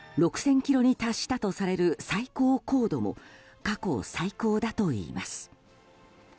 ６０００ｋｍに達したとされる最高高度も過去最高だといいます。